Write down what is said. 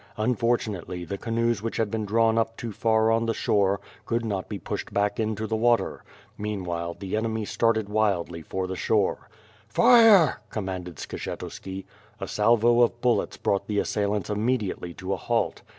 Un fortunately the canoes which had been drawn up too far on the shore, could not be pushed back into the water. Mean while the enemy started wildly for the shore. "Fire!" commanded Skshetuski. A salvo of bullets brought the assailants immediately to a halt.